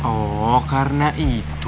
oh karena itu